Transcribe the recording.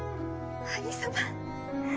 兄様。